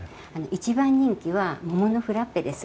一番人気は桃のフラッペです。